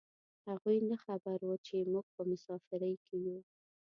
هغوی نه خبر و چې موږ په مسافرۍ کې یو.